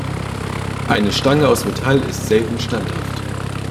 Eine Stange aus Metall ist selten standhaft.